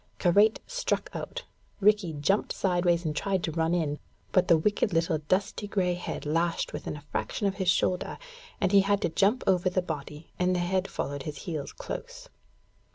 Karait struck out. Rikki jumped sideways and tried to run in, but the wicked little dusty gray head lashed within a fraction of his shoulder, and he had to jump over the body, and the head followed his heels close.